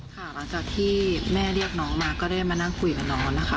หลังจากที่แม่เรียกน้องมาก็ได้มานั่งคุยกับน้องนะคะ